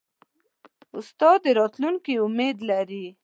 استاد د راتلونکي امید لري.